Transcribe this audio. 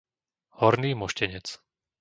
Horný Moštenec